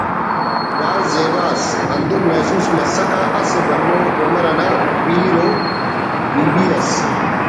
بھاز زیبا ئس ہندن محسوس مسکہ اسہ بھلو عمر انا پیر ءُ بی بی اس